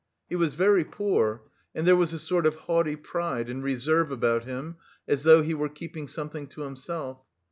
He was very poor, and there was a sort of haughty pride and reserve about him, as though he were keeping something to himself.